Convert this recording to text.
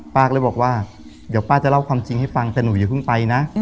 ป้าก็เลยบอกว่าเดี๋ยวป้าจะเล่าความจริงให้ฟังแต่หนูอย่าเพิ่งไปนะ